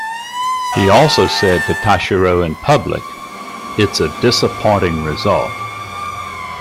He also said to Tashiro in public, It's a disappointing result.